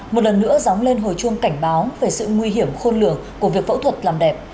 một lần nữa dóng lên hồi chuông cảnh báo về sự nguy hiểm khôn lường của việc phẫu thuật làm đẹp